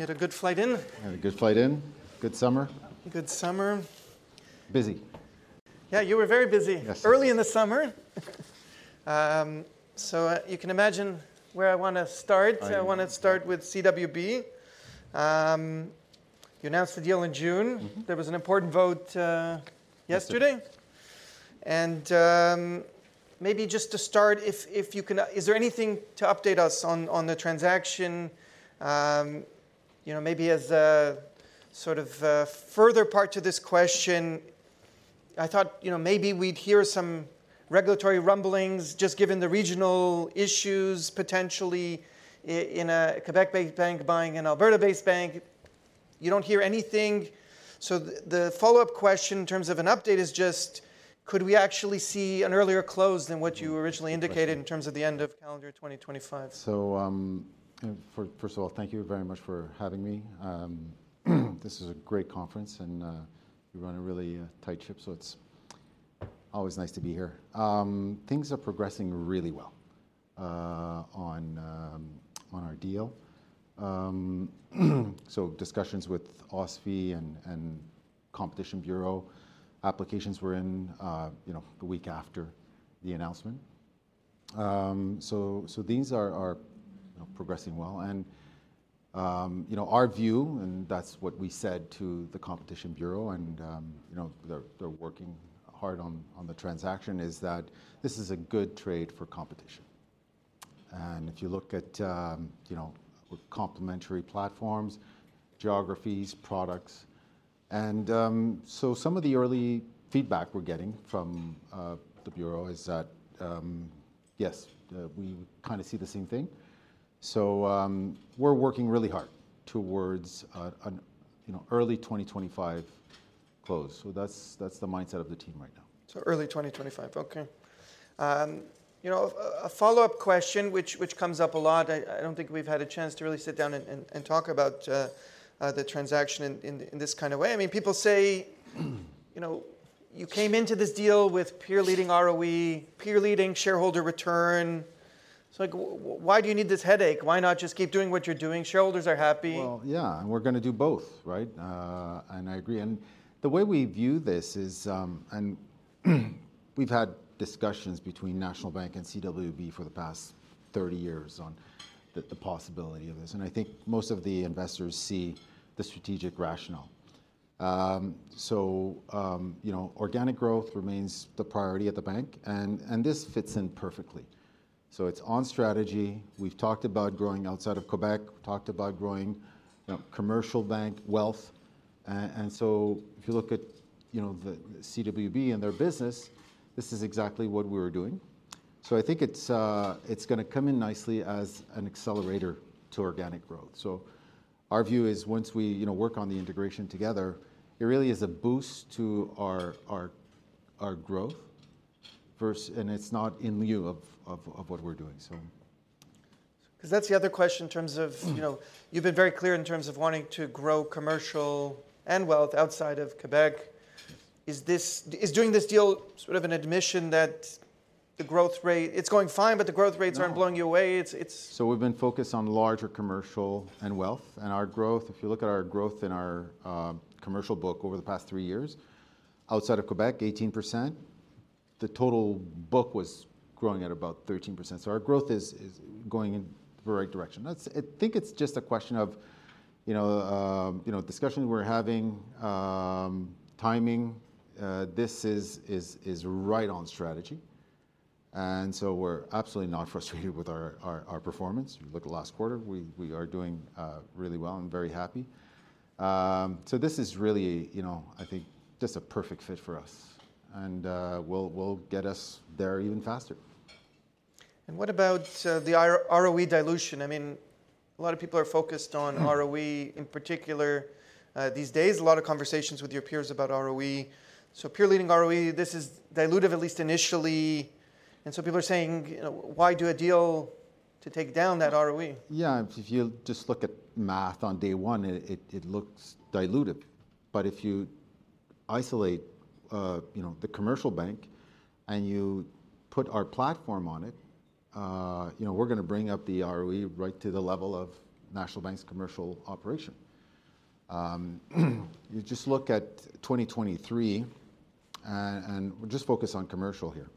You had a good flight in? I had a good flight in. Good summer? Good summer. Busy. Yeah, you were very busy- Yes. Early in the summer. So, you can imagine where I wanna start. I- I wanna start with CWB. You announced the deal in June. Mm-hmm. There was an important vote yesterday. Yes. Maybe just to start, if you can, is there anything to update us on the transaction? You know, maybe as a sort of a further part to this question, I thought, you know, maybe we'd hear some regulatory rumblings, just given the regional issues, potentially in a Québec-based bank buying an Alberta-based bank. You don't hear anything. The follow-up question in terms of an update is just: could we actually see an earlier close than what you originally indicated- Yeah.... in terms of the end of calendar 2025? So, first of all, thank you very much for having me. This is a great conference, and you run a really tight ship, so it's always nice to be here. Things are progressing really well on our deal. So discussions with OSFI and Competition Bureau applications were in, you know, the week after the announcement. So these are, you know, progressing well. And, you know, our view, and that's what we said to the Competition Bureau, and, you know, they're working hard on the transaction, is that this is a good trade for competition. And if you look at, you know, complementary platforms, geographies, products. Some of the early feedback we're getting from the Bureau is that, yes, we kind of see the same thing. We're working really hard towards an early 2025 close, you know. That's the mindset of the team right now. So early 2025. Okay. You know, a follow-up question, which comes up a lot. I don't think we've had a chance to really sit down and talk about the transaction in this kind of way. I mean, people say you know, you came into this deal with peer-leading ROE, peer-leading shareholder return. It's like, why do you need this headache? Why not just keep doing what you're doing? Shareholders are happy. Yeah, and we're gonna do both, right? And I agree. And the way we view this is, and we've had discussions between National Bank and CWB for the past 30 years on the possibility of this, and I think most of the investors see the strategic rationale. So, you know, organic growth remains the priority at the bank, and, and this fits in perfectly. So it's on strategy. We've talked about growing outside of Québec, we've talked about growing, you know, commercial bank wealth. And so if you look at, you know, the CWB and their business, this is exactly what we were doing. So I think it's gonna come in nicely as an accelerator to organic growth. So our view is once we, you know, work on the integration together, it really is a boost to our growth versus and it's not in lieu of what we're doing, so. 'Cause that's the other question in terms of you know, you've been very clear in terms of wanting to grow commercial and wealth outside of Québec. Is this doing this deal sort of an admission that the growth rate it's going fine, but the growth rates aren't- No... blowing you away? It's- So we've been focused on larger commercial and wealth. Our growth, if you look at our growth in our commercial book over the past three years, outside of Québec, 18%. The total book was growing at about 13%. Our growth is going in the right direction. That's. I think it's just a question of you know, discussion we're having, timing. This is right on strategy, and so we're absolutely not frustrated with our performance. If you look at last quarter, we are doing really well and very happy. So this is really, you know, I think, just a perfect fit for us and will get us there even faster. What about the ROE dilution? I mean, a lot of people are focused on ROE in particular. These days, a lot of conversations with your peers about ROE. Peer-leading ROE, this is dilutive, at least initially, and people are saying, "Why do a deal to take down that ROE?" Yeah, if you just look at math on day one, it looks dilutive. But if you isolate, you know, the commercial bank, and you put our platform on it, you know, we're gonna bring up the ROE right to the level of National Bank's commercial operation. You just look at 2023, and we'll just focus on commercial here.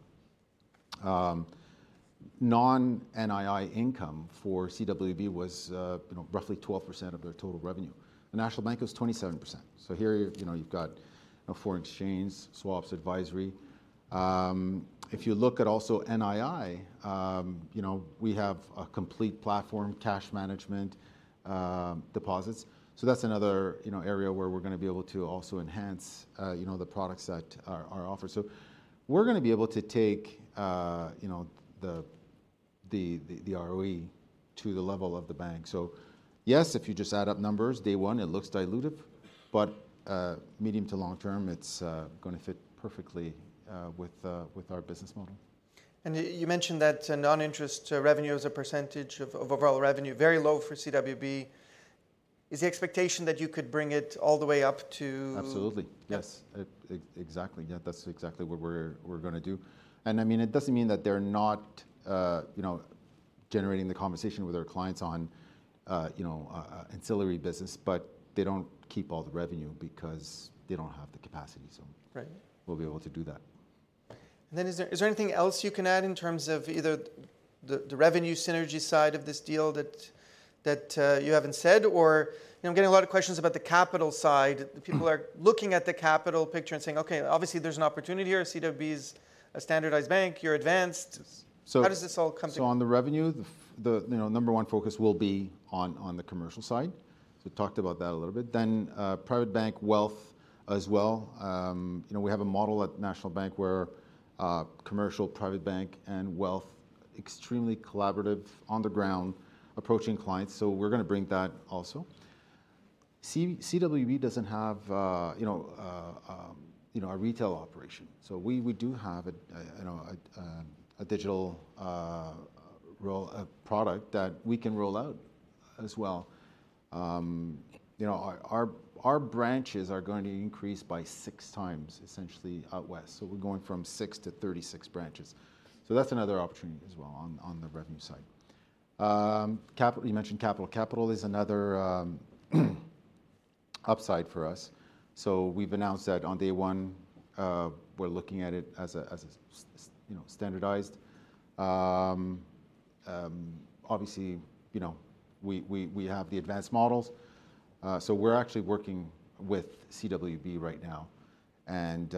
Non-NII income for CWB was, you know, roughly 12% of their total revenue, and National Bank was 27%. So here, you know, you've got foreign exchange, swaps, advisory. If you look at also NII, you know, we have a complete platform, cash management, deposits. So that's another, you know, area where we're gonna be able to also enhance, you know, the products that are offered. So we're gonna be able to take, you know, the ROE to the level of the bank. So yes, if you just add up numbers, day one, it looks dilutive, but, medium to long term, it's gonna fit perfectly, with our business model. You mentioned that non-interest revenue as a percentage of overall revenue very low for CWB. Is the expectation that you could bring it all the way up to? Absolutely. Yes. Yeah. Exactly. Yeah, that's exactly what we're gonna do. And, I mean, it doesn't mean that they're not generating the conversation with our clients on ancillary business, but they don't keep all the revenue because they don't have the capacity, so- Right... we'll be able to do that. Then is there anything else you can add in terms of either the revenue synergy side of this deal that you haven't said? Or, you know, I'm getting a lot of questions about the capital side. Mm. The people are looking at the capital picture and saying, "Okay, obviously there's an opportunity here. CWB's a standardized bank, you're advanced- So- How does this all come together? So on the revenue, the you know, number one focus will be on the commercial side. So we talked about that a little bit. Then private bank wealth as well. You know, we have a model at National Bank where commercial, private bank, and wealth extremely collaborative, on the ground, approaching clients, so we're gonna bring that also. CWB doesn't have a retail operation. So we do have a digital role, a product that we can roll out as well. You know, our branches are going to increase by six times, essentially, out west. So we're going from six to 36 branches. So that's another opportunity as well on the revenue side. Capital, you mentioned capital. Capital is another upside for us. So we've announced that on day one, we're looking at it as a, as a you know, standardized. Obviously, you know, we have the advanced models. So we're actually working with CWB right now, and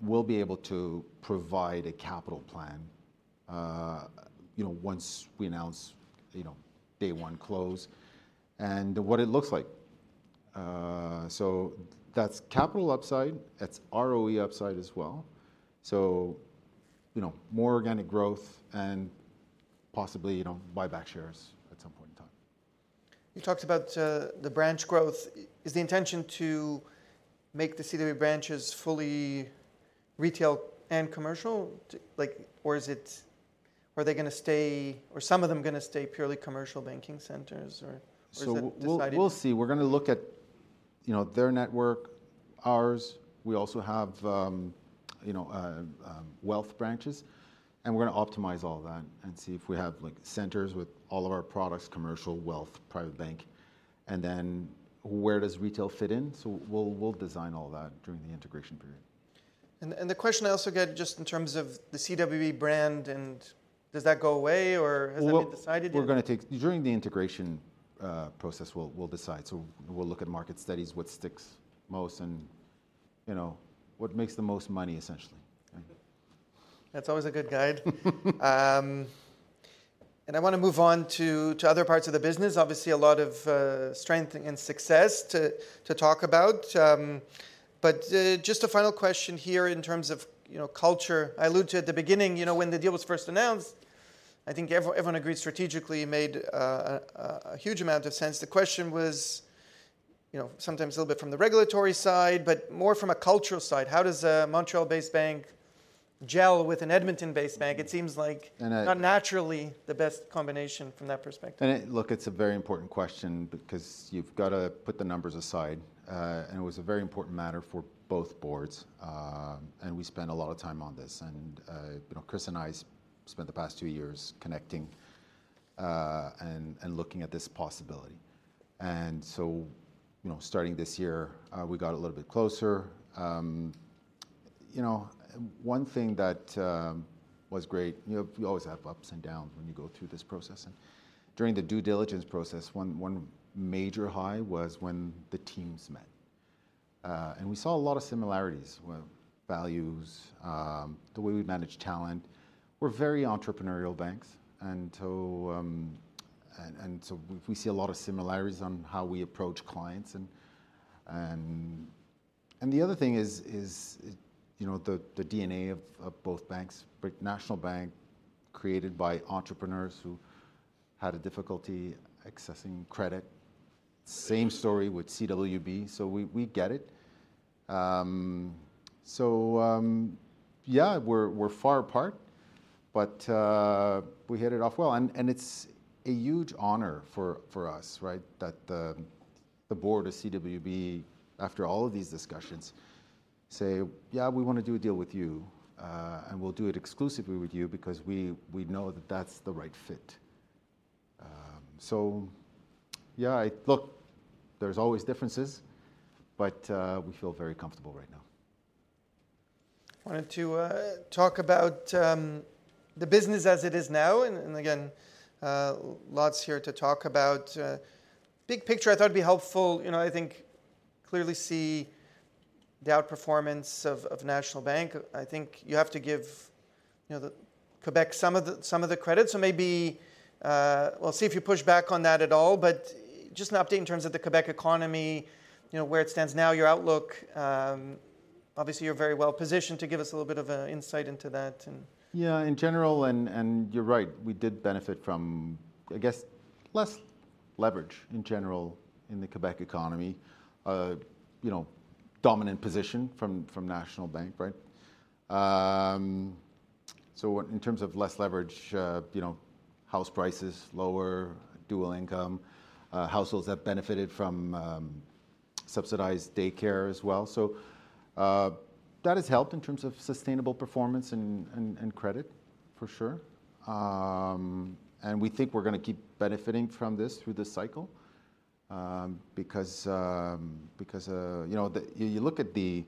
we'll be able to provide a capital plan, you know, once we announce, you know, day one close, and what it looks like. So that's capital upside, that's ROE upside as well, so you know, more organic growth and possibly, you know, buy back shares at some point in time. You talked about the branch growth. Is the intention to make the CWB branches fully retail and commercial? Like, or is it, are they gonna stay, or some of them gonna stay purely commercial banking centers, or- So we'll- Is it decided yet?... we'll see. We're gonna look at, you know, their network, ours. We also have, you know, wealth branches, and we're gonna optimize all that and see if we have, like, centers with all of our products: commercial, wealth, private bank, and then where does retail fit in, so we'll design all that during the integration period. The question I also get just in terms of the CWB brand, and does that go away, or has that been decided yet? During the integration process, we'll decide, so we'll look at market studies, what sticks most and, you know, what makes the most money, essentially. Yeah. That's always a good guide. And I want to move on to other parts of the business. Obviously, a lot of strength and success to talk about. But just a final question here in terms of, you know, culture. I alluded to at the beginning, you know, when the deal was first announced, I think everyone agreed strategically it made a huge amount of sense. The question was, you know, sometimes a little bit from the regulatory side, but more from a cultural side: How does a Montreal-based bank gel with an Edmonton-based bank? Mm. It seems like- And, uh-... not naturally the best combination from that perspective. Look, it's a very important question because you've got to put the numbers aside. And it was a very important matter for both boards. And we spent a lot of time on this. And, you know, Chris and I spent the past two years connecting and looking at this possibility. And so, you know, starting this year, we got a little bit closer. You know, one thing that was great. You know, you always have ups and downs when you go through this process, and during the due diligence process, one major high was when the teams met. And we saw a lot of similarities with values, the way we manage talent. We're very entrepreneurial banks, and so we see a lot of similarities on how we approach clients. The other thing is, you know, the DNA of both banks. National Bank, created by entrepreneurs who had a difficulty accessing credit. Same story with CWB, so we get it. Yeah, we're far apart, but we hit it off well. It's a huge honour for us, right, that the board of CWB, after all of these discussions, say, "Yeah, we want to do a deal with you, and we'll do it exclusively with you because we know that that's the right fit." Yeah, I... Look, there's always differences, but we feel very comfortable right now. I wanted to talk about the business as it is now. And again, lots here to talk about. Big picture, I thought it'd be helpful, you know. I think clearly see the outperformance of National Bank. I think you have to give, you know, the Québec some of the credit. So maybe we'll see if you push back on that at all, but just an update in terms of the Québec economy, you know, where it stands now, your outlook. Obviously, you're very well-positioned to give us a little bit of insight into that and- Yeah, in general, and you're right, we did benefit from, I guess, less leverage in general in the Québec economy. You know, dominant position from National Bank, right? So, in terms of less leverage, you know, house prices, lower dual income households that benefited from subsidized daycare as well. So, that has helped in terms of sustainable performance and credit, for sure. And we think we're gonna keep benefiting from this through this cycle, because you know, you look at the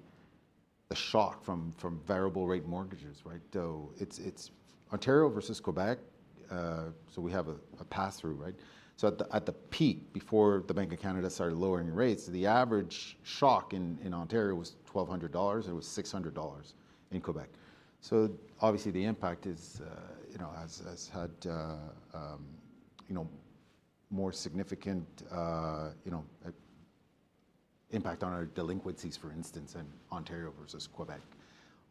shock from variable rate mortgages, right? So it's Ontario versus Québec. So we have a pass-through, right? So at the peak, before the Bank of Canada started lowering rates, the average shock in Ontario was 1,200 dollars, and it was 600 dollars in Québec. So obviously, the impact is, you know, has had, you know, more significant, you know, impact on our delinquencies, for instance, in Ontario versus Québec,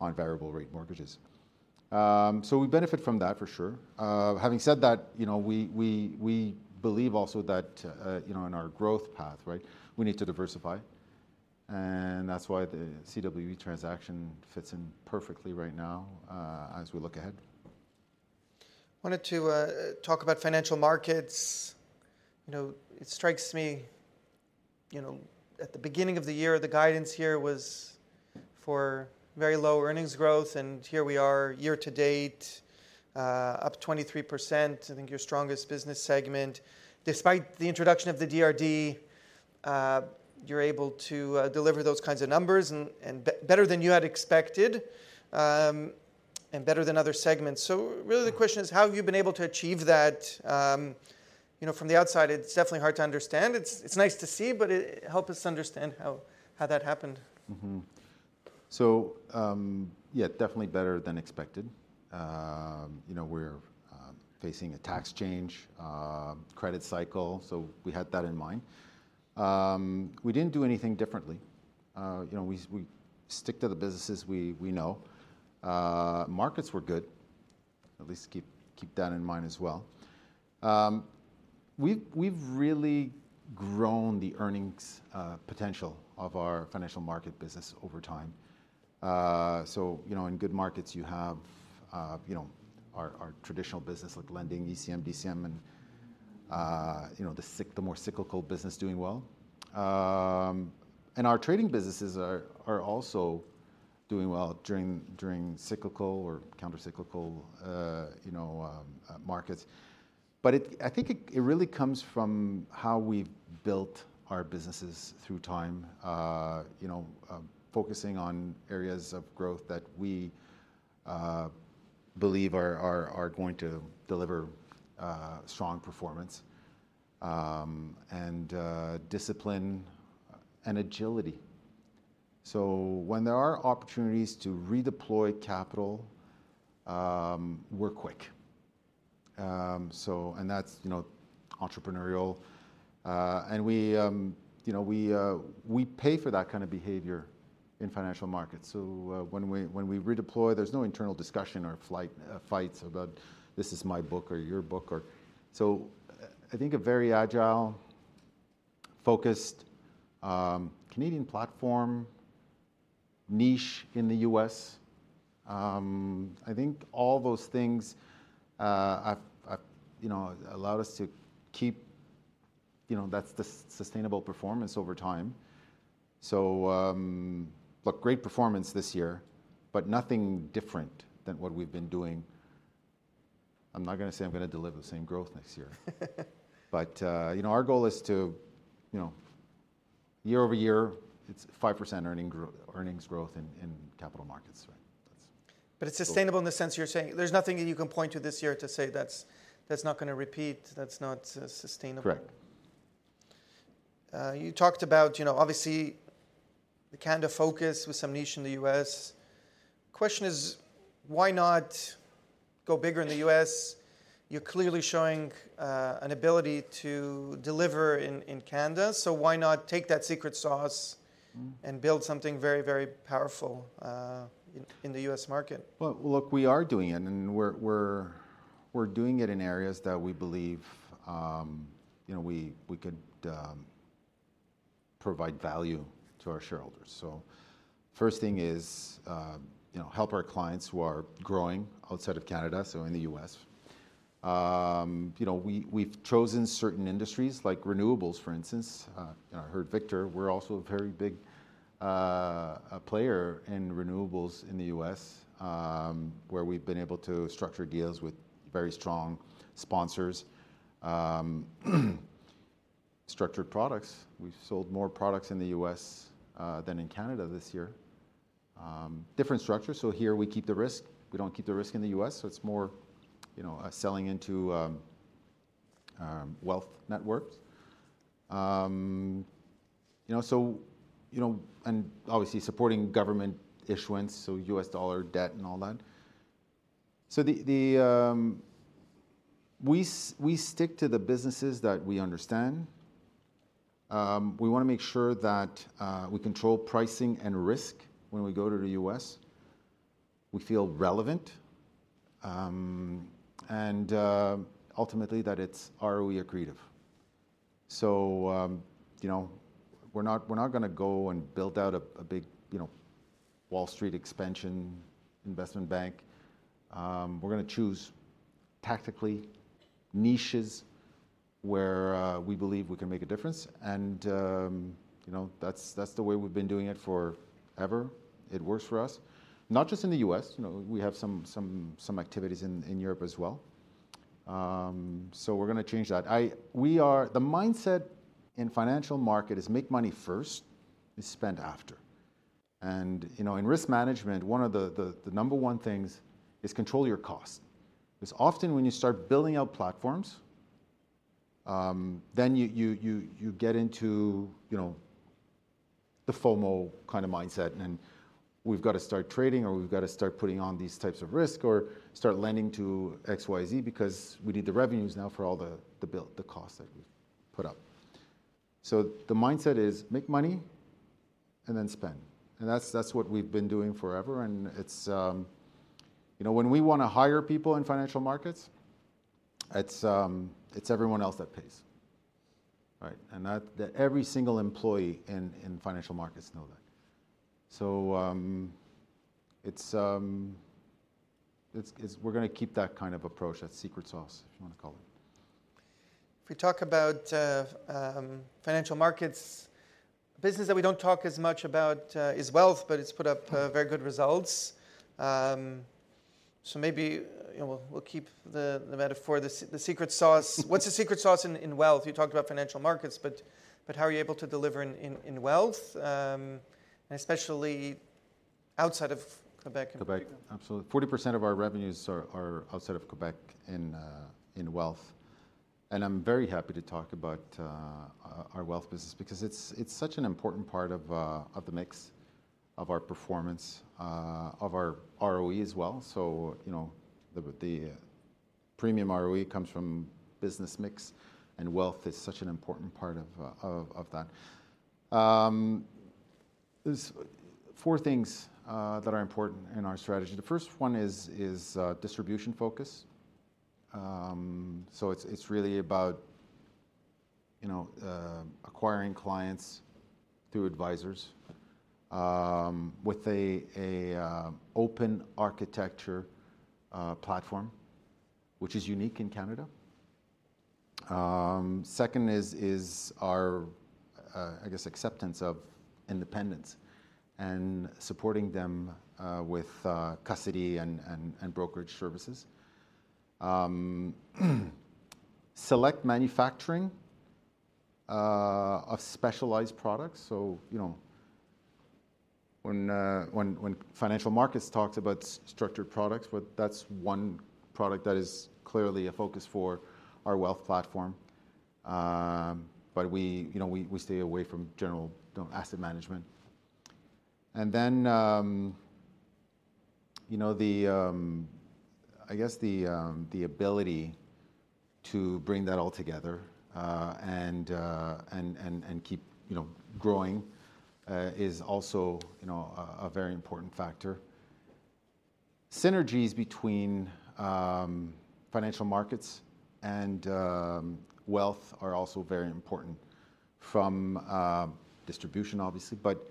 on variable rate mortgages, so we benefit from that, for sure. Having said that, you know, we believe also that, you know, in our growth path, right, we need to diversify, and that's why the CWB transaction fits in perfectly right now, as we look ahead. Wanted to talk about financial markets. You know, it strikes me, you know, at the beginning of the year, the guidance here was for very low earnings growth, and here we are, year-to-date, up 23%. I think your strongest business segment. Despite the introduction of the DRD, you're able to deliver those kinds of numbers, and better than you had expected, and better than other segments. So really, the question is: How have you been able to achieve that? You know, from the outside, it's definitely hard to understand. It's nice to see, but help us understand how that happened. Mm-hmm. So, yeah, definitely better than expected. You know, we're facing a tax change, credit cycle, so we had that in mind. We didn't do anything differently. You know, we stick to the businesses we know. Markets were good. At least keep that in mind as well. We've really grown the earnings potential of our financial market business over time. So, you know, in good markets, you have, you know, our traditional business, like lending, ECM, DCM, and, you know, the more cyclical business doing well. And our trading businesses are also doing well during cyclical or countercyclical, you know, markets. But I think it really comes from how we've built our businesses through time. You know, focusing on areas of growth that we believe are going to deliver strong performance, and discipline and agility. So when there are opportunities to redeploy capital, we're quick. And that's, you know, entrepreneurial. And we, you know, pay for that kind of behavior in financial markets. So, when we redeploy, there's no internal discussion or fights about, "This is my book or your book," or. So I think a very agile, focused, Canadian platform, niche in the U.S. I think all those things have, you know, allowed us to keep, you know, that sustainable performance over time. So, look, great performance this year, but nothing different than what we've been doing. I'm not gonna say I'm gonna deliver the same growth next year. But, you know, our goal is to, you know, year-over-year, it's 5% earnings growth in capital markets, right? That's- But it's sustainable in the sense you're saying. There's nothing that you can point to this year to say, "That's not gonna repeat, that's not sustainable." Correct. You talked about, you know, obviously, the Canada focus with some niche in the U.S. Question is, why not go bigger in the U.S.? You're clearly showing an ability to deliver in Canada, so why not take that secret sauce- Mm... and build something very, very powerful, in the U.S. market? Well, look, we are doing it, and we're doing it in areas that we believe, you know, we could provide value to our shareholders. So first thing is, you know, help our clients who are growing outside of Canada, so in the U.S. You know, we've chosen certain industries, like renewables, for instance. And I heard Victor, we're also a very big player in renewables in the U.S., where we've been able to structure deals with very strong sponsors. Structured products, we've sold more products in the U.S. than in Canada this year. Different structures, so here we keep the risk. We don't keep the risk in the U.S., so it's more, you know, selling into wealth networks. You know, so, you know, and obviously supporting government issuance, so U.S. dollar debt and all that. So, we stick to the businesses that we understand. We want to make sure that we control pricing and risk when we go to the U.S. We feel relevant, and ultimately that it's ROE accretive. So, you know, we're not, we're not gonna go and build out a big, you know, Wall Street expansion investment bank. We're gonna choose tactically niches where we believe we can make a difference. And, you know, that's the way we've been doing it forever. It works for us. Not just in the U.S., you know, we have some activities in Europe as well. So, we're gonna change that. The mindset in financial markets is make money first, is spend after. And, you know, in risk management, one of the number one things is control your cost. 'Cause often, when you start building out platforms, then you get into, you know, the FOMO kind of mindset, and we've got to start trading, or we've got to start putting on these types of risk, or start lending to XYZ because we need the revenues now for all the build, the cost that we've put up. So the mindset is make money and then spend, and that's what we've been doing forever, and it's. You know, when we want to hire people in financial markets, it's everyone else that pays, right? And that every single employee in financial markets know that. We're gonna keep that kind of approach. That's secret sauce, if you want to call it. If we talk about financial markets, business that we don't talk as much about is wealth, but it's put up very good results. So maybe, you know, we'll keep the metaphor, the secret sauce. What's the secret sauce in wealth? You talked about financial markets, but how are you able to deliver in wealth, especially outside of Québec and- Québec? Absolutely. 40% of our revenues are outside of Québec in wealth, and I'm very happy to talk about our wealth business because it's such an important part of the mix, of our performance, of our ROE as well. So, you know, the premium ROE comes from business mix, and wealth is such an important part of that. There's four things that are important in our strategy. The first one is distribution focus. So it's really about, you know, acquiring clients through advisors with a open architecture platform, which is unique in Canada. Second is our, I guess, acceptance of independence and supporting them with custody and brokerage services. Select manufacturing of specialized products. So, you know, when financial markets talks about structured products, well, that's one product that is clearly a focus for our wealth platform. But we, you know, stay away from general, you know, asset management. And then, you know, I guess the ability to bring that all together and keep, you know, growing is also, you know, a very important factor. Synergies between financial markets and wealth are also very important from distribution, obviously, but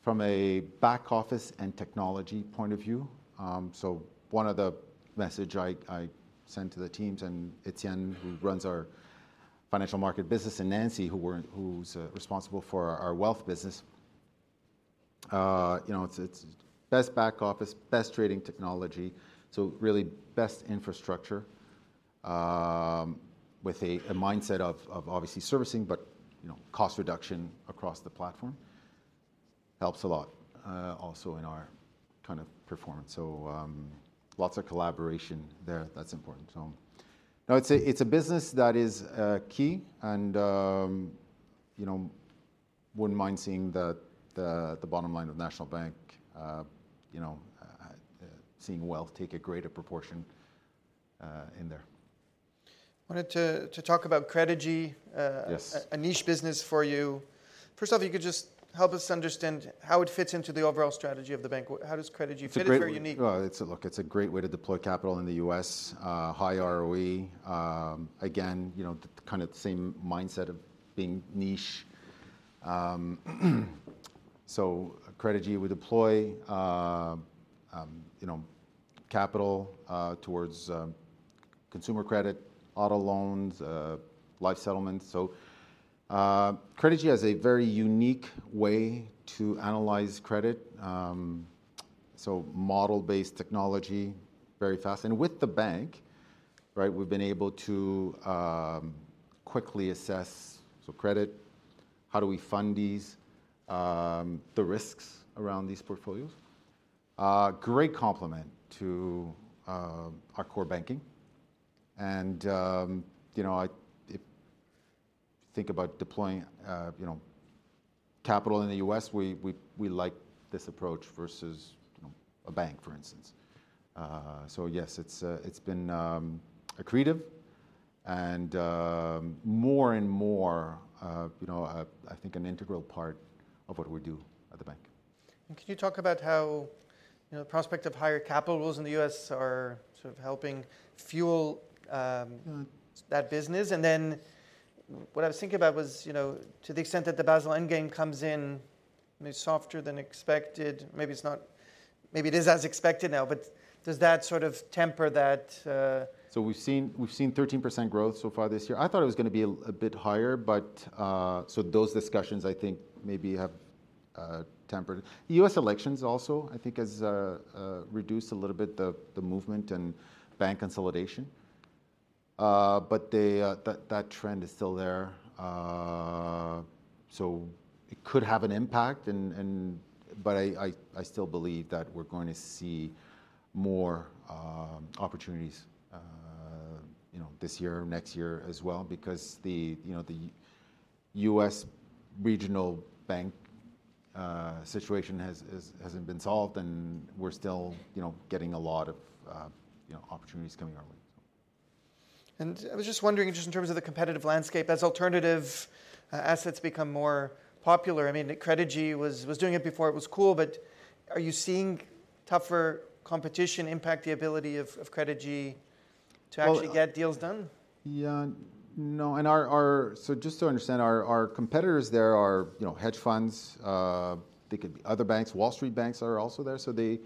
from a back office and technology point of view. So one of the message I send to the teams, and Étienne, who runs our financial market business, and Nancy, who's responsible for our wealth business, you know, it's best back office, best trading technology, so really best infrastructure, with a mindset of obviously servicing, but you know, cost reduction across the platform helps a lot, also in our kind of performance. So, lots of collaboration there. That's important. So, no, it's a business that is key and you know, wouldn't mind seeing the bottom line of National Bank, you know, seeing wealth take a greater proportion in there. I wanted to talk about Credigy. Yes... a niche business for you. First off, you could just help us understand how it fits into the overall strategy of the bank. How does Credigy fit? It's very unique. Look, it's a great way to deploy capital in the U.S., high ROE. Again, you know, the kind of the same mindset of being niche. So, Credigy we deploy, you know, capital, towards, consumer credit, auto loans, life settlements. So, Credigy has a very unique way to analyze credit. So model-based technology, very fast. And with the bank, right, we've been able to quickly assess, so credit, how do we fund these, the risks around these portfolios? Great complement to our core banking, and, you know, if you think about deploying, you know, capital in the U.S., we like this approach versus, you know, a bank, for instance. So yes, it's been accretive and more and more, you know, I think an integral part of what we do at the bank. And can you talk about how, you know, the prospect of higher capital rules in the U.S. are sort of helping fuel that business? And then what I was thinking about was, you know, to the extent that the Basel endgame comes in maybe softer than expected. Maybe it's not, maybe it is as expected now, but does that sort of temper that. So we've seen 13% growth so far this year. I thought it was gonna be a bit higher, but so those discussions I think maybe have tempered. U.S. elections also, I think, has reduced a little bit the movement and bank consolidation. But that trend is still there. So it could have an impact, and but I still believe that we're going to see more opportunities, you know, this year or next year as well because the, you know, the U.S. regional bank situation hasn't been solved, and we're still, you know, getting a lot of, you know, opportunities coming our way, so. I was just wondering, just in terms of the competitive landscape, as alternative assets become more popular, I mean, Credigy was doing it before it was cool, but are you seeing tougher competition impact the ability of Credigy- Well-... to actually get deals done? Yeah. No. And our competitors there are, you know, hedge funds. They could be other banks. Wall Street banks are also there, so there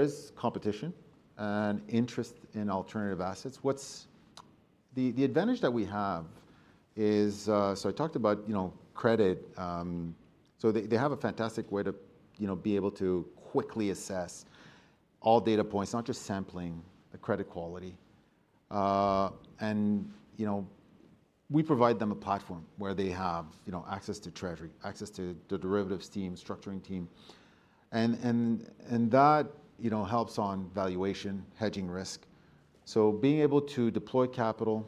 is competition and interest in alternative assets. What's the advantage that we have is, so I talked about, you know, credit. So they have a fantastic way to, you know, be able to quickly assess all data points, not just sampling the credit quality. And, you know, we provide them a platform where they have, you know, access to treasury, access to the derivatives team, structuring team, and that, you know, helps on valuation, hedging risk. So being able to deploy capital,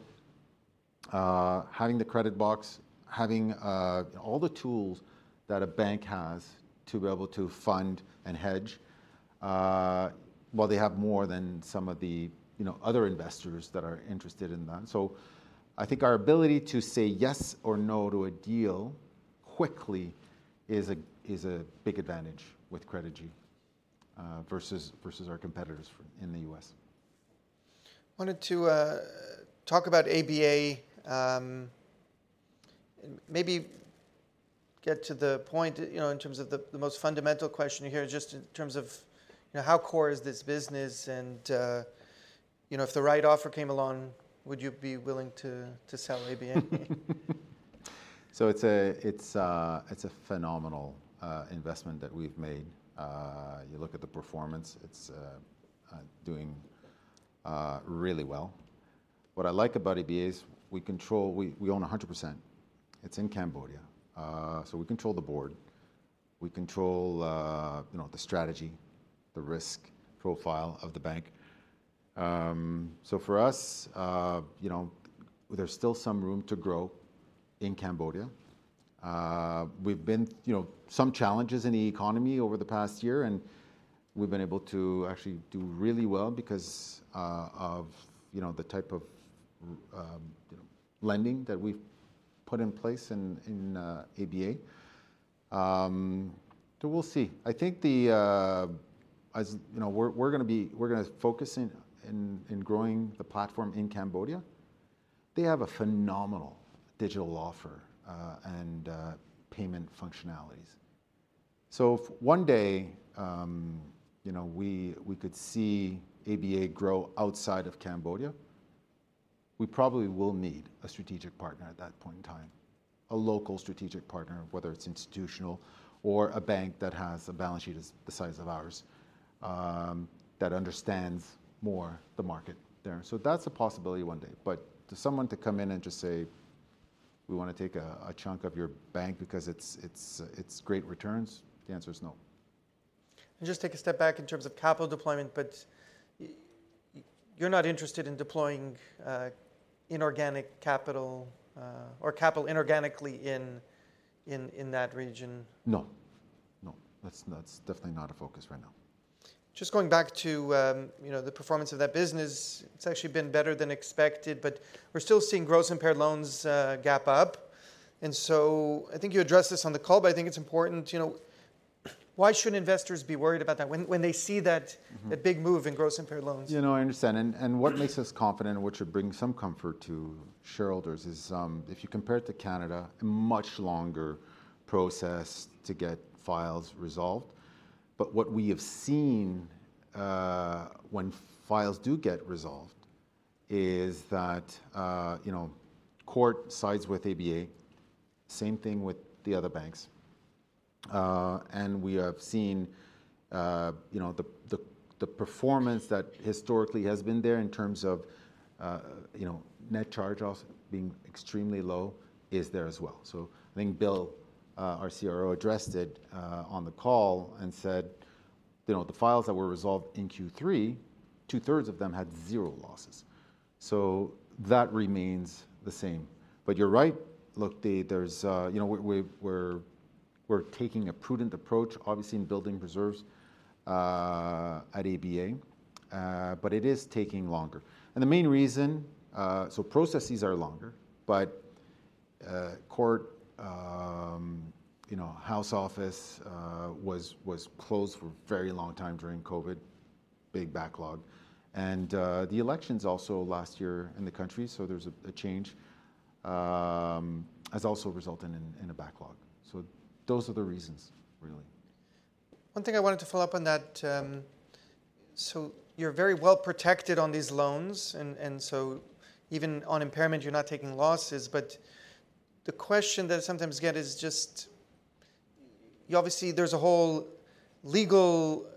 having the credit box, having all the tools that a bank has to be able to fund and hedge, well, they have more than some of the, you know, other investors that are interested in that. So I think our ability to say yes or no to a deal quickly is a big advantage with Credigy, versus our competitors for, in the U.S. Wanted to talk about ABA. Maybe get to the point, you know, in terms of the, the most fundamental question here, just in terms of, you know, how core is this business, and you know, if the right offer came along, would you be willing to, to sell ABA? So it's a phenomenal investment that we've made. You look at the performance, it's doing really well. What I like about ABA is we own 100%. It's in Cambodia. So we control the board, we control you know the strategy, the risk profile of the bank. So for us, you know, there's still some room to grow in Cambodia. You know, some challenges in the economy over the past year, and we've been able to actually do really well because of you know the type of you know lending that we've put in place in in ABA. So we'll see. I think as you know we're gonna focus in growing the platform in Cambodia. They have a phenomenal digital offer, and payment functionalities. So if one day, you know, we could see ABA grow outside of Cambodia, we probably will need a strategic partner at that point in time. A local strategic partner, whether it's institutional or a bank that has a balance sheet as the size of ours, that understands more the market there. So that's a possibility one day. But for someone to come in and just say, "We wanna take a chunk of your bank because it's great returns," the answer is no. Just take a step back in terms of capital deployment, but you're not interested in deploying inorganic capital, or capital inorganically in that region? No, no. That's, that's definitely not a focus right now. Just going back to, you know, the performance of that business. It's actually been better than expected, but we're still seeing gross impaired loans gap up. And so I think you addressed this on the call, but I think it's important, you know, why shouldn't investors be worried about that when they see that- Mm-hmm... that big move in gross impaired loans? You know, I understand. And what makes us confident, and what should bring some comfort to shareholders is, if you compare it to Canada, a much longer process to get files resolved. But what we have seen, when files do get resolved is that, you know, court sides with ABA, same thing with the other banks. And we have seen, you know, the performance that historically has been there in terms of, you know, net charge-offs being extremely low is there as well. So I think Bill, our CRO, addressed it, on the call and said, "You know, the files that were resolved in Q3, two-thirds of them had zero losses." So that remains the same. But you're right. Look, Dave, there's... You know, we're taking a prudent approach, obviously, in building reserves at ABA, but it is taking longer. And the main reason so processes are longer, but courthouse was closed for a very long time during COVID, big backlog. And the elections also last year in the country, so there's a change has also resulted in a backlog. So those are the reasons, really. One thing I wanted to follow up on that, so you're very well protected on these loans, and so even on impairment, you're not taking losses. But the question that I sometimes get is just, you obviously, there's a whole legal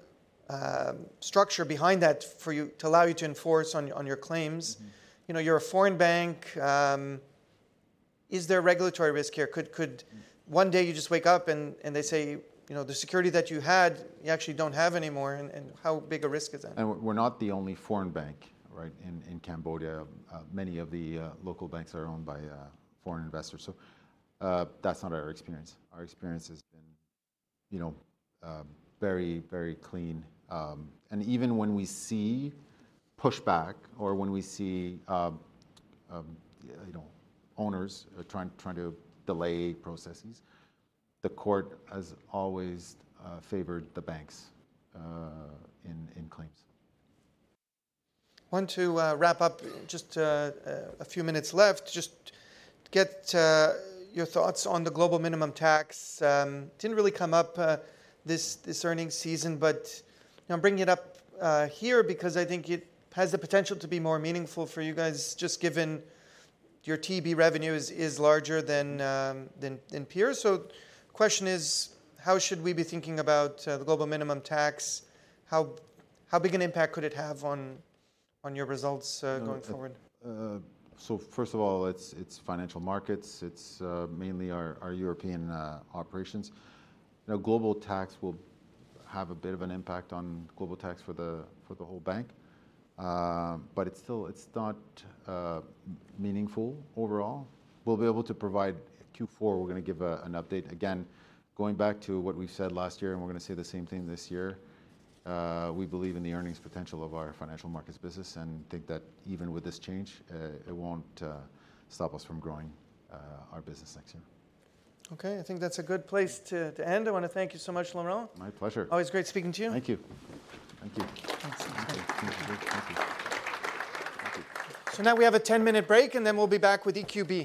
structure behind that for you to enforce on your claims. Mm-hmm. You know, you're a foreign bank, is there regulatory risk here? Could one day you just wake up and they say, you know, the security that you had, you actually don't have anymore, and how big a risk is that? We're not the only foreign bank, right, in Cambodia. Many of the local banks are owned by foreign investors. So, that's not our experience. Our experience has been, you know, very, very clean. Even when we see pushback or when we see, you know, owners trying to delay processes, the court has always favored the banks in claims. I want to wrap up, just a few minutes left, just get your thoughts on the global minimum tax. Didn't really come up this earnings season, but I'm bringing it up here because I think it has the potential to be more meaningful for you guys, just given your TEB revenues is larger than peers. So the question is, how should we be thinking about the global minimum tax? How big an impact could it have on your results going forward? So first of all, it's financial markets. It's mainly our European operations. You know, global tax will have a bit of an impact on global tax for the whole bank. But it's still it's not meaningful overall. We'll be able to provide Q4, we're going to give an update. Again, going back to what we said last year, and we're going to say the same thing this year, we believe in the earnings potential of our financial markets business and think that even with this change, it won't stop us from growing our business next year. Okay, I think that's a good place to end. I want to thank you so much, Laurent. My pleasure. Always great speaking to you. Thank you. Now we have a 10-minute break, and then we'll be back with EQB.